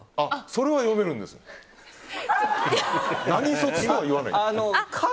それは読めるんですか？